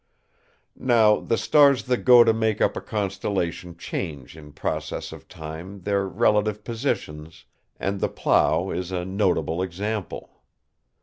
Now, the stars that go to make up a constellation change in process of time their relative positions, and the Plough is a notable example.